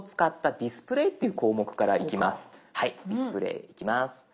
「ディスプレイ」いきます。